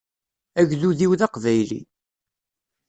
Agdud-iw d aqbayli.